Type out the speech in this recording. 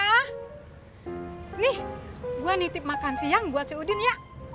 nih gue nitip makan siang buat si udin nyak